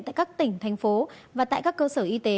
tại các tỉnh thành phố và tại các cơ sở y tế